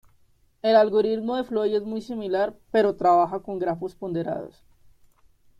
El algoritmo de Floyd es muy similar, pero trabaja con grafos ponderados.